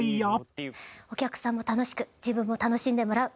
「お客さんも楽しく自分も楽しんでもらう」。